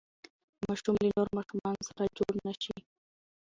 ماشوم له نورو ماشومانو سره جوړ نه شي.